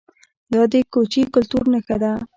دا د کوچي کلتور نښه وه